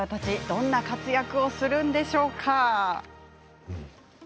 どんな活躍をするのでしょうか。